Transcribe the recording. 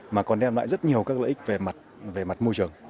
mà còn đem lại rất nhiều các lợi ích về mặt môi trường